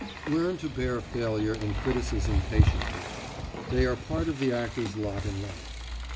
Learn to bear failure and criticism patiently. They are part of the actor's lot in life.